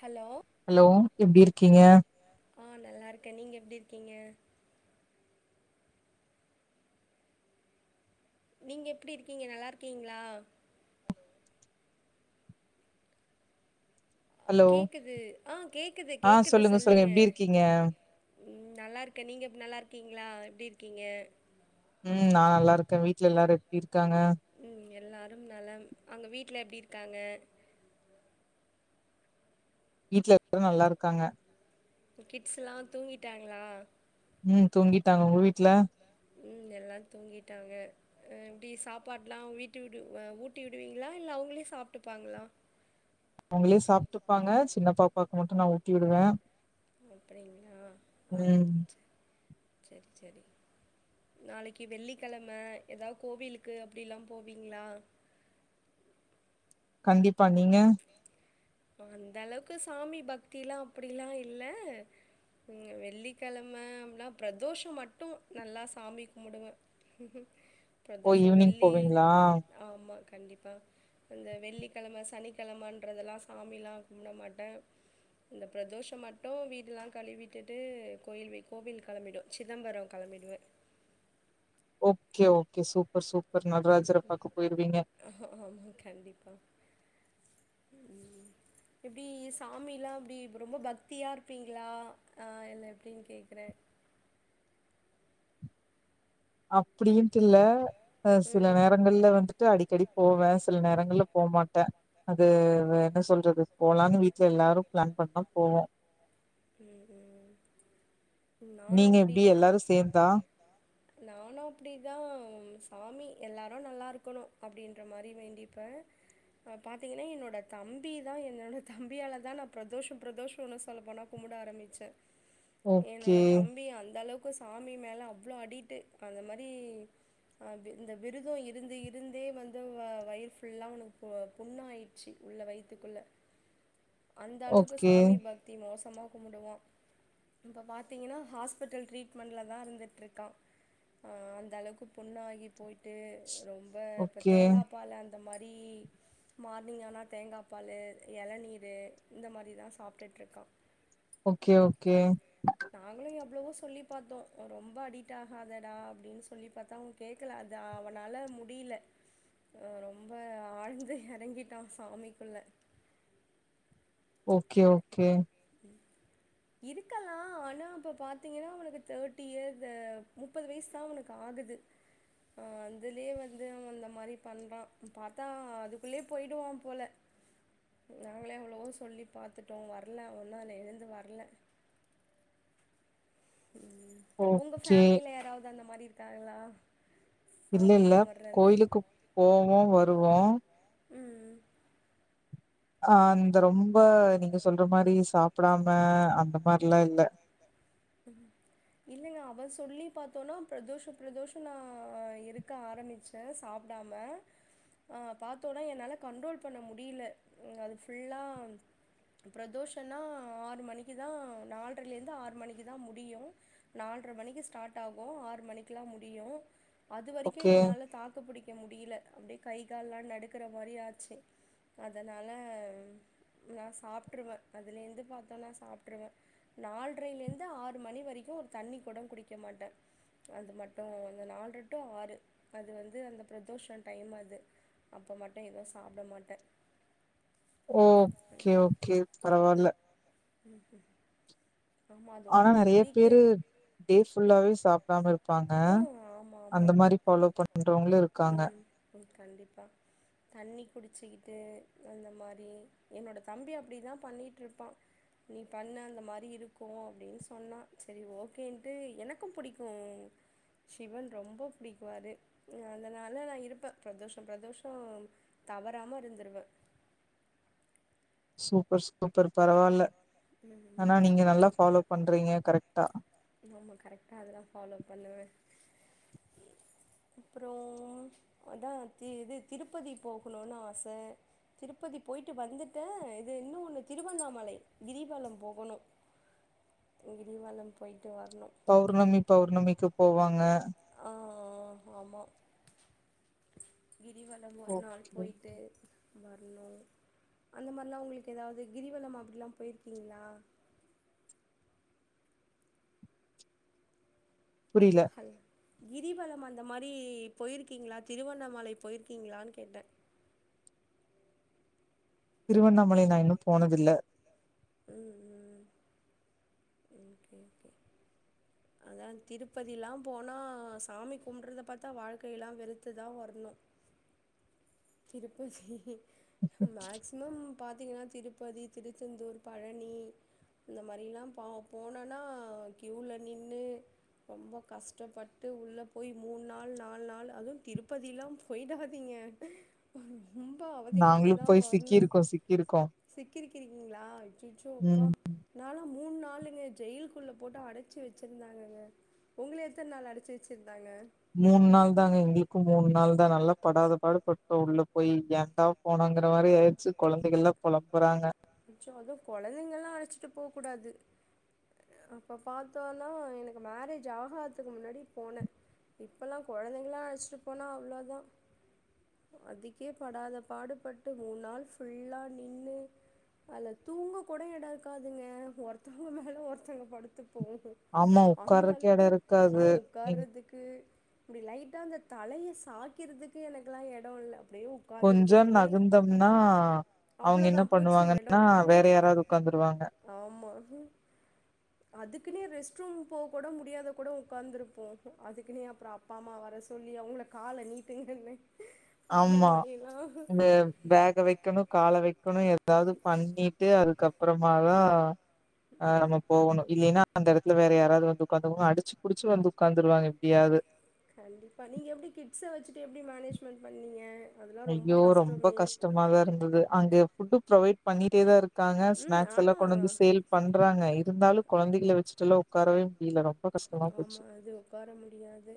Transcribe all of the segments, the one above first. Hello hello எப்டி இருக்கீங்க ஆ நல்லா இருக்கே நீங்க எப்டி இருக்கீங்க நீங்க எப்டி இருக்கீங்க நல்லா இருக்கீங்ளா ஹலோ கேக்குது ஆ கேக்குது ஆ கேக்குது சொல்லுங்க எப்டி இருக்கீங்க? ம் நல்லாருக்கே நீங்க எப் நல்லாருக்கீங்களா எப்டி இருக்கீங்க ம் நா நல்லா இருக்கே வீட்ல எல்லாரு எப்டி இருக்காங்க ம் எல்லாரும் நலம் அங்க வீட்ல எப்டி இருக்காங்க வீட்ல இருக்க நல்லா இருக்காங்க கிட்ஸ்லா தூங்கிட்டாங்களா ம் தூங்கிட்டாங்க உங்க வீட்ல ம் எல்லா தூங்கிட்டாங்க எப்டி சாப்பாடலா வீட்டு விடு ஊட்டி விடுவீங்களா இல்ல அவங்களே சாப்ட்டுப்பாங்களா அவங்களே சாப்ட்டுப்பாங்க சின்னப்பாப்பாக்கு மட்டு நா ஊட்டி வுடுவ அப்டிங்களா ஆ ச சேரி சேரி நாளைக்கு வெள்ளிக்கெழம ஏதாது கோவிலுக்கு அப்டில்லா போவீங்களா கண்டிப்பா நீங்க அந்த அளவுக்கு சாமி பக்தில்லா அப்டிலா இல்ல இங்க வெள்ளிக்கிழம அப்லா பிரதோஷம் மட்டு நல்லா சாமி கும்பிடுவ ம் ஓ பிரதோஷம் ஈவினிங் வெள்ளி போவீங்களா? ஆமா கண்டிப்பா இந்த வெள்ளிக்கிழம சனிக்கிழமன்றதுலா சாமிலா கும்டமாட்ட இந்த பிரதோஷம் மட்டு வீடெல்லா கழுவிட்டுட்டு கோயில் வே கோவில் கிளம்பிடு சிதம்பரம் கிம்பிடுவே ஓகே ஓகே சூப்பர் சூப்பர் நடராஜர பாக்க போயிருவீங்க அஹா அஹா அம் கண்டிப்பா ம் இப்டி சாமில்லா அப்டி ரொம்ப பக்தியா இருப்பீங்ளா ஆ இல்ல எப்டின்னு கேக்ற அப்டியும்டில்ல அ சில ம் நேர முதல்ல வந்துட்டு அடிக்கடி போவே சில நேரங்கள்ல போக மாட்டே அது வ என்ன சொல்றது போலான்னு வீட்ல எல்லாரு பிளான் பண்ணா போவோ உம் உம் நீங்க எப்டி எல்லாரு சேந்தா நானு அப்டிதா சாமி எல்லாரு நல்லா இருக்கணு அப்டின்ற மாரி வேண்டிப்ப பா பாத்திங்னா என்னோட தம்பி தா என்னோட தம்பியால தா நா பிரதோஷோ பிரதோஹோன்னு சொல்ல போனோ கும்ட ஆரம்பிச்ச ஓகே என்னோட தம்பி அந்த அளவுக் கு சாமி மேல அவ்ளளோ அடிட்டு அந்த மாரி ஆ இந்த விருதோ இருந்து இருந்தே வந்து வ வயிர் புல்லா புவ புண்ணா ஆகி சி உள்ள வயத்துக்குள்ள அந்த அளவுக்கு ஓகே சாமி பக்தி மோசமாவ் கும்பிடுவான் இப்ப பாத்தீங்கனா ஹாஸ்பிட்டல் ட்ரீட்மெண்ட்ல தா இருந்துட்டு இருக்கா ஆ அந்த அளவுக்கு புண்ணாகி போயிட்டு ரொம்ப இப்ப ஓகே தேங்கா பால அந்த மாரி மார்னிங் ஆனா தேங்காப்பாலு இளநீரு இந்த மாதிரி தா சாயட்டுருக்கா ஓகே ஓகே நாங்களு எவ்வளவோ சொல்லி பாத்தோ ரொம்ப அடிட் ஆகாதடா அப்ங்டின்னு சொல்லி பாத்த உங் கேக்கல அது அவனால முடியல ஆ ரொம்ப ஆழ்ந்த இறங்கிட்டா சாமிக்குள்ள ஓகே ஓகே இருக்கலா ஆனா இப்ப பாத்தீங்னா அவக்கு தேர்ட்டி இயர் மு முப்பது வயசு தா அவனுக்கு ஆகுது ஆ அதுலயே வந்து அந்த மாதிரி பண்ணுறா பாத்தா அதுக்குள்ளேயே போயிடுவா போல நாங்களே எவ்ளவோ சொல்லி பாத்துட்டோ வர்ல அவன்தா இன்னு எழுந்து வர்ல உம் உங்க ஓகே ஃபேமிலில யாராவது அந்த மாதிரி இருக்காங்களா இல்ல சாமி இல்ல கும்பிட்றது. கோயிலுக்கு போவோ வருவோ ம்ம் அ இந்த ரொம்ப நீங்க சொல்ற மாதிரி சாப்டாம அந்த மாதிரல்லா இல்ல [unintelligible] இல்லங்க அவ சொல்லி பாத்தோன்னா பிரதோஷ பிரதோஷ நா இருக்க ஆரம்பிச்சி முட்ட சாப்டாம ஆனால் பாத்தோனா என்னால கண்ட்ரோல் பண்ண முடியல அது புல்லா பிரதோஷனா ஆறு மணிக்கு தா நால்ரல இருந்து ஆறு மணிக்கு தா முடியும நால்ர மணிக்கு ஸ்டார்ட் ஆகும் ஆறு மணிக்கு தா முடியு அது வரிக்கும் ஓகே என்னால தாக்கு புடிக்க முடில அப்டே கை கால்லா நடுக்கற மாரி ஆச்சு அதனால நா சாப்ட்டுருவ அதுலேந்து பாத்தோனா நா சாப்ட்ருவே நால்ரைல இருந் து ஆறு மணி வரிக்கும் ஒரு தண்ணி கூட குடிக்க மாட்டே அது மட்டு அந்த நால்ற டு ஆறு அது வந்து அந்த பிரதோஷம் டைம் அது அப்ப மட்டு எதும் சாப்ட மாட்டே ஓ ஓகே ஓகே பரவால்ல உம் ம் ஆனா நெறைய பேரு டே ஃபுல்லாவே சாப்டாம இருப்பாங்க ஆ ஆமாம் ஆமாம் அந்த மாரி ஃபாலோ பண்றவங்களு இருக்காங்க ம் கண்டிப்பா தண்ணி குடிச்சிக்கிட்டு அந்த மாரி என்னோட தம்பி அப்டிதான் பண்ணிட்ருப்பான் நீ பண்ணு அந்த மாரி இருக்கும் அப்டின்னு சொன்னா சரி ஓகேன்ட்டு எனக்கும் புடிக்கும் சிவன் ரொம்ப புடிக்குவாரு அதனால நா இருப்ப பிரதோஷம் பிரதோஷம் தவறாம இருந்துருவே சூப்பர் சூப்பர் பரவால்ல ம் ஆனா நீங்க நல்லா ஃபாலோ பண்றீங்க கரெக்ட்டா நம்ம கரெக்ட்டா அதெல்லா ஃபாலோ பண்ணுவே அப்றோ அதான் தி இது திருப்பதி போகணுன் ஆச திருப்பதி போயிட்டு வந்துட்டு இது இன்னும் ஒன்னு திருவண்ணாமலை கிரிவலம் போகணு கிரிவாலம் போயிட்டு வர்ணு பௌர்ணமி பௌர்ணமிக்கு போவாங்க ஆ ஆ ஆமா கிரிவலம் ஒரு நாள் ஓகே போயிட்டு வர்ணு அந்த மாரிலாம் உங்களுக்கு எதாவ்து கிரிவலம் அப்டிலாம் போயிருக்கீங்ளா புரில அல் கிரிவலம் அந்த மாரி போயிருக்கீங்ளா திருவண்ணாமலை போயிருக்கீங்ளான்னு கேட்டே திருவண்ணாமலை நா இன்னும் போனதில்ல ம் ம் ஓகே ஓகே அதான் திருப்பதிலாம் போனா சாமி கும்புட்றத பாத்தா வாழ்க்கையெல்லா வெறுத்து தான் வரணு திருப்பதி மேக்சிமம் பாத்தீங்கன்னா திருப்பதி, திருச்செந்தூர், பழனி இந்த மாரிலாம் பா போனன்னா கியூவ்ல நின்னு ரொம்ப கஷ்டப்பட்டு உள்ள போய் மூன் நாள் நால் நாள் அதுவும் திருப்பதிலாம் போயிடாதீங்க ரொம்ப நாங்களு அவதிப்பட்டுதான் போய் வர்ணு சிக்கிருக்கோ சிக்கிருக்கோ சிக்கிறிக்கிறிங்ளா அய்யய்ச்சோ அப்பா ம் நாலா மூன் நாளுங்க ஜெயில்க்குள்ள போட்டு அடச்சி வச்சிருந்தாங்கங்க உங்கள எத்தன் நாள் அடச்சி வச்சிருந்தாங்க மூன் நாள் தாங்க எங்களுக்கு மூன் நாள் தான் நல்லா படாத பாடு பட்டு உள்ள போய் ஏண்டா போனோங்கற மாரி ஆயிச்சி கொழந்தைகள்லாம் பொழம்புறாங்க அச்சோ அதுவு கொழந்தைங்கல்லா அழச்சிட்டு போ கூடாது அப்போ பாத்தோனா எனக்கு மேரேஜ் ஆகாத்துக்கு முன்னாடி போனே இப்பல்லா கொழந்தைங்களா அழச்சிட்டு போனா அவ்ளோ தா அதுக்கே படாத பாடுபட்டு மூன் நாள் ஃபுல்லா நின்னு அல்ல தூங்க கூட எடம் இருக்காதுங்க ஒருத்தவங்க மேல ஒருத்தங்க படுத்துப்போ ஆமா அந்த உக்காரக்கு எடோ அளவுக்கு ஆ இருக்காது நீங் உக்கார்றதுக்கு கு இப்டி லைட்டா அந்த தலய சாக்கிறதுக்கு எனக்குல்லா எடம் இல்ல அப்டே உக் கொஞ்சோ நகந்தோம்னா அவுங்க அவ்ளோதா என்ன பண்ணு போச்சு எடோ வாங்கன்னா வேற ம் யாராது உக்காந்துருவாங்க ஆமா அதுக்குனே ரெஸ்ட் ரூம் போக கூட முடியாத கூட உக்கார்ந்துருப்போ அதுக்குனே அப்றோ அப்பா அம்மா வர சொல்லி அவுங்கள கால நீட்டுங்கனு அந்த ஆமா மாரில்லா இந்த பேக வைக்கணு கால வைக்கணு ஏதாது பண்ணிட்டு அதுக்கப்றமாதா ஆ நம்ம போகணு இல்லைன்னா அந்த எடத்துல வேற யாராது வந்து உக்காந்துருவாங்க அடிச்சு புடிச்சு வந்து உக்காந்துருவாங்க எப்டியாவது கண்டிப்பா நீங்க எப்டி கிட்ஸ வச்சுட்டு எப்டி மேனேஜ்மெண்ட் பண்ணீங்க அதெல்லா ரொம்ப ஐயோ ரொம்ப கஷ்டமே கஷ்டமாதாருந்தது அங்க ஃபுட்டு் ப்ரொவைட் பண்ணிட்டே தாருக்காங்க ம் ஸ்நாக் செல்லா ஆனா கொண்டு வந்து சேல் பண்றாங்க இருந்தாலு கொழந்தைகள வச்சுட்டுல்லா உக்காரவே முடில எனக்கு ஆமா அது உக்கார முடியாது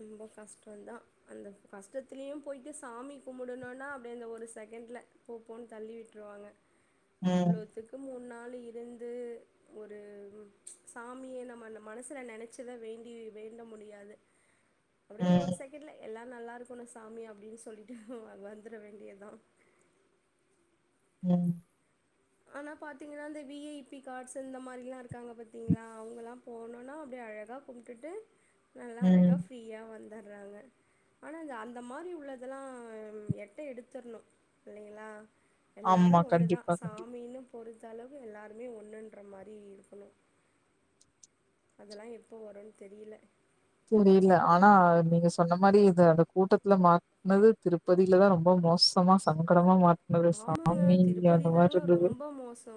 ரொம்ப கஷ்டோந்தா அந்த கஷ்டத்துலயு போய்ட்டு சாமி கும்பிடணுனா அப்டியே அந்த ஒரு செகண்ட்ல போப்போன்னு தள்ளி வுட்ருவாங்க ம் அவ்ளோத்துக்கு மூணு நாள் இருந்து ஒரு சாமிய நம்ம மனசுல நெனைச்சுதா வேண்டி வேண்ட முடியாது அப்டியேந்த ஒரு ம் செகண்ட்ல எல்லா நல்லாருக்கணு சாமி அப்டின்னு சொல்லிட்டு வந்துட வேண்டியதுதா ம் ஆனா பாத்தீங்கன்னா இந்த வி ஐ பி கார்ட்ஸ் இந்த மாதிரிலாருக்காங்க பாத்தீங்களா அவுங்கள்லா போணுன்னா அப்டி அழகாக கும்பிட்டுட்டு நல்லா ம் அழகாக ஃப்ரீயா வந்துட்றாங்க ஆனா இந்த அந்த மாதிரி உள்ளதெல்லா எட்ட எடுத்துரணு இல்லைங்களா எல்லாரு ஆமா ஒன்னுதா கண்டிப்பா கண்டிப்பா சாமின்னு பொறுத்த அளவு எல்லாருமே ஒன்னுன்ற மாரி இருக்கணு அதெல்லா எப்போ வருன்னு தெரியல தெரியல ஆனா நீங்க சொன்ன மாரி இது அந்த கூட்டத்துல மாட் னது திருப்பதிலதா ரொம்ப மோசமா சங்கறமா மாட் ஆமாங்க திருப்பதி தாங்க ரொம்ப மோசோ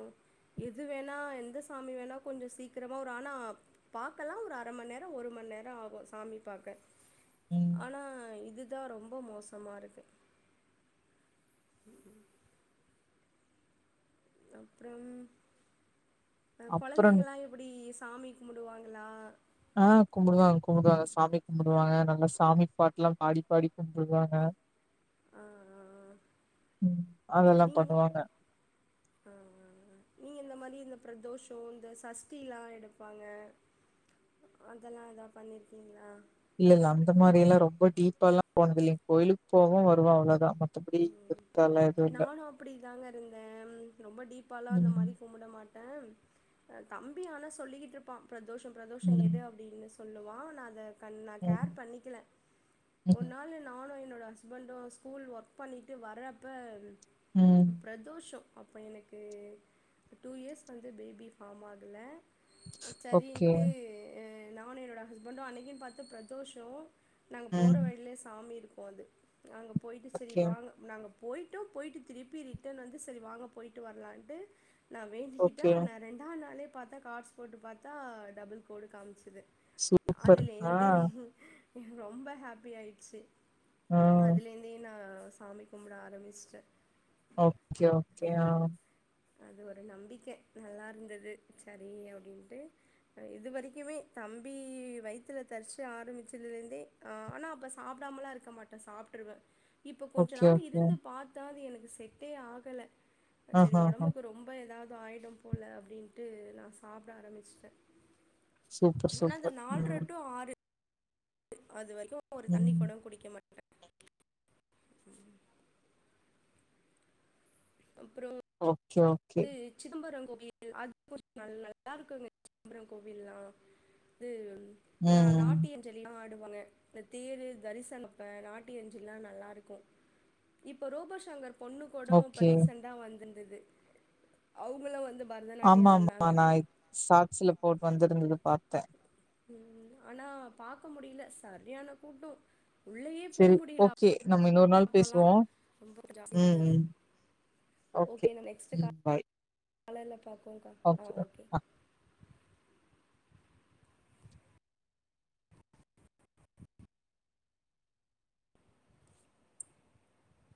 எது வேணா எந்த சாமி வேணா கொஞ்சோ சீக்கிரமா வரு ஆனா பாக்கலா ஒரு அர மண் நேரம் ஒரு மண் நேரோ ஆகும் சாமி பாக்க ம் ஆனா இதுதா ரொம்ப மோசமாருக்கு ம் ம் அப்புறம் அப்புற கொழந்தைங்காளா எப்டி சாமிக் கும்டுவாங்களா ஆ கும்டுவாங்க கும்டுவாங்க சாமி கும்டுவாங்க நல்லா சாமி பாட்டுல்லா பாடி பாடி கும்டுவாங்க ஆ அதெல்லா பண்ணுவாங்க ஹ் உஹ நீங்க இந்த மாதிரி இந்த பிரதோஷோ இந்த சஷ்டில்லா எடுப்பாங்க அதெல்லா எதாது பண்ணிருக்கீங்களா இல்ல இல்ல அந்த மாரி எல்லாம் ரொம்ப டீப்பாலாம் போனது இல்லங்க கோயிலுக்கு போவே வருவே அவ்ளோதா ம் நானு அப்டி தாங்க இருந்தே ரொம்ப டீப்பாலா அந்த மாரி ம். கும்புட மாட்டேன் தம்பி ஆனா சொல்லிக்கிட்ருப்பான் பிரதோஷோ பிரதோஷோ எடு ம். அப்டின்னு சொ சொல்லுவான் நா அத நா ம். கேர் பண்ணிக்கல ஒரு ம்ஹ்ம். நாள் என் நானு என்னோட ஹஸ்பண்டு ஸ்கூல் ஒர்க் பண்ணிட்டு வர்ரப்ப ம் பிரதோஷோ அப்போ எனக்கு டூ இயர்ஸ் வந்து பேபி ஃபார்ம் ஆகல ஓகே. சரின்ட்டு நானு என்னோட ஹஸ்பண்டும் அன்னைக்கின் பாத்து பிரதோஷோ நாங்க போற ம். வழியில சாமி இருக்கும் அது அங்க போயிட்டு சரி ஓகே, வாங்க நாங்க போய்ட்டோம் போயிட்டு திருப்பி ரிட்டன் வந்து சரி வாங்க போயிட்டு வரலான்ட்டு நா வேண்டிக்கிட்டே ஓகே. நா ரெண்டா நாளே பாத்தா கார்ட்ஸ் போட்டு பாத்தா டபுள் கோடு காமிச்சது சூப்பர். அதுல ஆ, இருந்து ரொம்ப ஹாப்பியா ஆயிச்சு ஆ. அதுல இருந்தே நா சாமி கும்பிட ஆரம்பிச்ட்டே ஓகே ஓகே ஆ அது ஒரு நம்பிக்க நல்லா இருந்தது சரி அப்டின்ட்டு இது வரைக்குமே தம்பி வயித்ல தர்ச்ச ஆரம்பிச்சதுமே ஆ ஆனா அப்ப சாப்டாமல்லா இருக்க மாட்டே சாப்ட்டுருவே இப்போ கொஞ்ச ஓகே, நாள் ஓகே. இருந்து பாத்தா அது எனக்கு செட்டே ஆகல ஆஹஹ. ஒடம்புக்கு ரொம்ப ஏதாவது ஆயிடும் போல அப்டின்ட்டு நா சாப்ட ஆரம்பிச்சுட்டே சூப்பர், ஆனா இந்த சூப்பர். நால்ற ம். டூ ஆறு அது வரைக்கு ஒரு தண்ணி ம். கூட குடிக்க மாட்டே [inaudible] அப்றோ ஓகே ஓ அது சிதம்பரம் கோவில் அது கொஞ்சோம் நல்ல நல்லா இருக்குங்க சிதம்பரம் கோவில்லா இது நா ம். நாட்டிய ஞ்சலி ஆடுவாங்க இந்த தேர் தரிசனப்ப நாட்டியஞ்சலிலாம் நல்லா இருக்கும் இப்ப ரோபோ சாங்கர் பொண்ணு கூட இப்ப ஓகே. ரீசண்டா வந்திருந்தது அவுங்கள்ள வந்து ஆமா பரதநாட்டியம் ஆமா ஆடினாங்க நா சாட்ஸ்ல போட் வந்திருந்தது பாத்தே உம் ஆனா பாக்க முடியல சரியான கூட்டோ சேரி ஓகே நம்ம இன்னொரு நாள் அப்போல்லாம் பேசுவோம் ரொம்ப ஜாஸ்தி உம் இருந்தது உம் ஓகே உம் பாய் காலையில பாப்போம் கா ஆ ஓகே